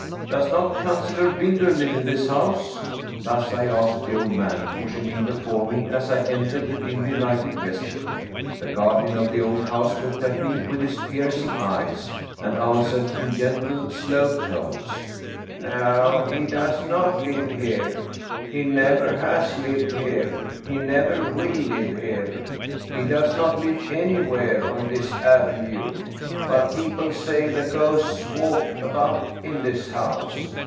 " Does not Councilor Binder live in this house?" Thus I asked the old man, pushing him before me as I entered the dimly lighted vestibule. The guardian of the old house looked at me with his piercing eyes, and answered in gentle, slow tones :" No, he does not live here, he never has lived here, he never will live here, he does not live anywhere on this avenue. But people say the ghosts walk about in this house.